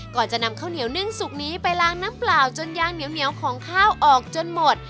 ก่อนจะนำข้าวเหนียวนึ่งสุกนี้ไปล้างน้ำเปล่าจนยางเหนียวของข้าวออกจนหมด